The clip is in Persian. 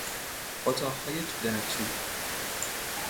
اتاقهای تودرتو